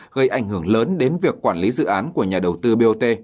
gây ảnh hưởng lớn đến việc quản lý dự án của nhà đầu tư bot